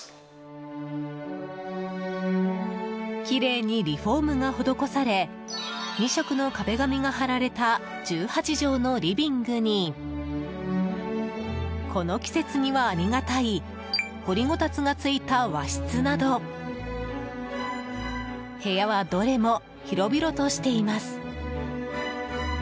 きれいにリフォームが施され２色の壁紙が張られた１８畳のリビングにこの季節にはありがたい掘りごたつがついた和室など部屋はどれも広々としています。